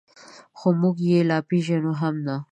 خو موږ یې لا پېژنو هم نه.